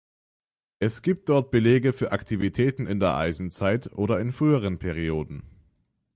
Es gibt dort Belege für Aktivitäten in der Eisenzeit oder in früheren Perioden.